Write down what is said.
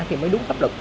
thì mới đúng pháp luật